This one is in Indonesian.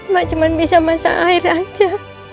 mak cuma bisa masak air aja